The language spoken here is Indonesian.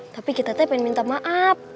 tapi kita teh pengen minta maaf